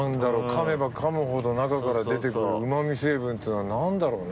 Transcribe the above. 噛めば噛むほど中から出てくるうま味成分っていうのは何だろうね。